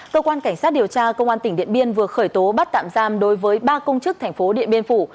cơ quan cảnh sát điều tra công an tỉnh điện biên vừa khởi tố bắt tạm giam đối với ba công chức thành phố điện biên phủ